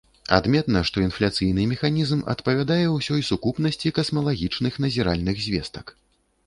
Адметна, што інфляцыйны механізм адпавядае ўсёй сукупнасці касмалагічных назіральных звестак.